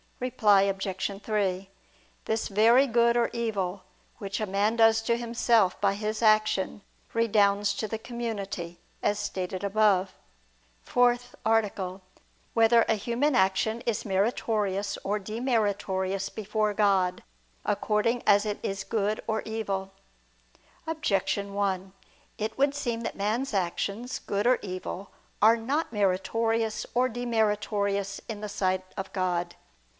Reply Obj. 3: This very good or evil, which a man does to himself by his action, redounds to the community, as stated above. ________________________ FOURTH ARTICLE [I II, Q. 21, Art. 4] Whether a Human Action Is Meritorious or Demeritorious Before God, According As It Is Good or Evil? Objection 1: It would seem that man's actions, good or evil, are not meritorious or demeritorious in the sight of God.